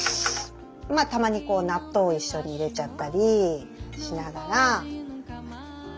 まあたまに納豆を一緒に入れちゃったりしながら。